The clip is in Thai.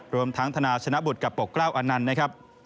รวมทั้งธนาชนะบุตรกับปกเกล้าอนันต์นะครับ